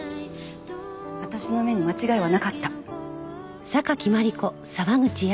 私の目に間違いはなかった。